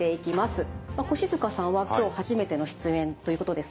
越塚さんは今日初めての出演ということですので問題です。